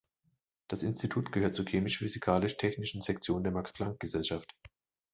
Das Institut gehört zur Chemisch-Physikalisch-Technischen Sektion der Max-Planck-Gesellschaft.